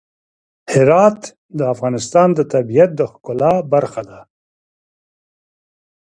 هرات د افغانستان د طبیعت د ښکلا برخه ده.